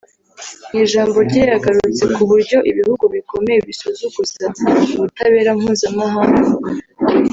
Mu ijambo rye yagarutse ku buryo ibihugu bikomeye bisuzuguza ubutabera mpuzamahanga